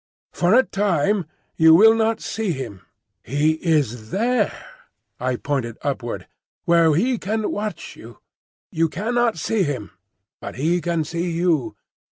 "For a time you will not see him. He is—there," I pointed upward, "where he can watch you. You cannot see him, but he can see you.